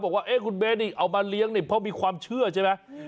บอกว่าคุณเบสนี่เอามาเลี้ยงนี่เพราะมีความเชื่อใช่ไหม